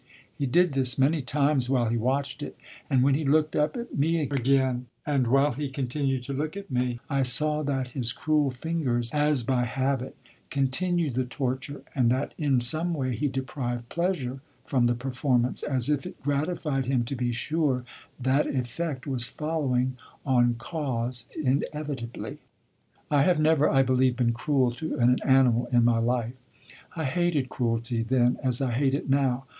He did this many times while he watched it; and when he looked up at me again, and while he continued to look at me, I saw that his cruel fingers, as by habit, continued the torture, and that in some way he derived pleasure from the performance as if it gratified him to be sure that effect was following on cause inevitably. I have never, I believe, been cruel to an animal in my life. I hated cruelty then as I hate it now.